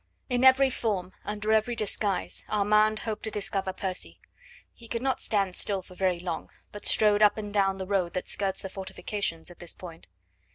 In every form, under every disguise, Armand hoped to discover Percy. He could not stand still for very long, but strode up and down the road that skirts the fortifications at this point.